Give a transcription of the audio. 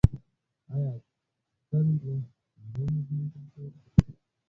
آیا تل دې نه وي زموږ کلتور؟